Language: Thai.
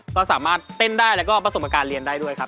ก็สามารถเต้นได้แล้วก็ประสบการณ์เรียนได้ด้วยครับ